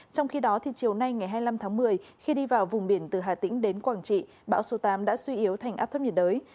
trong khi đó chiều nay ngày hai mươi năm tháng một mươi khi đi vào vùng biển từ hà tĩnh đến quảng trị bão số tám đã suy yếu thành áp thấp nhiệt đới